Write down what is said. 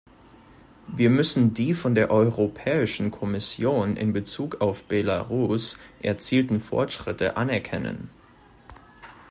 Wir müssen die von der Europäischen Kommission in Bezug auf Belarus erzielten Fortschritte anerkennen.